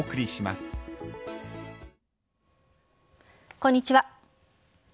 こんにちは。